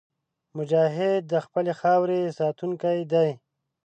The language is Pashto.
مجاهد د خپلې خاورې ساتونکی دی.